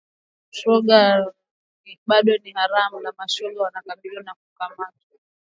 Ushoga bado ni haramu na mashoga wanakabiliwa na kukamatwa, kutengwa na ghasia